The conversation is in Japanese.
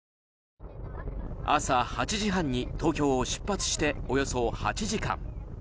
朝８時半に東京を出発しておよそ８時間